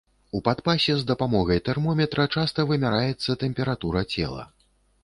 У падпасе з дапамогай тэрмометра часта вымяраецца тэмпература цела.